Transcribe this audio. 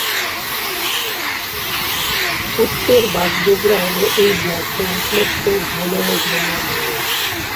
উত্তর বাগডোগরা হল এই ব্লকের একমাত্র জনগণনা নগরী।